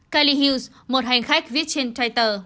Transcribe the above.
kelly hughes một hành khách viết trên twitter